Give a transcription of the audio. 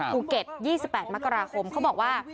ภูเก็ต๒๘มกราคมเขาบอกว่า